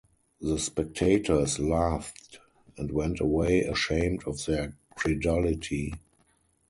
The spectators laughed, and went away ashamed of their credulity.